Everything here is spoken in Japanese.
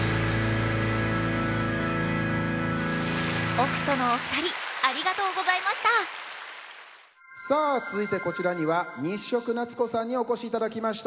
ＯｘＴのお二人ありがとうございましたさあ続いてこちらには日食なつこさんにお越しいただきました。